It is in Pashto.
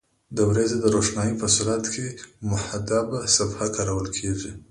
د ورځې د روښنایي په صورت کې محدبه صفحه کارول کیږي.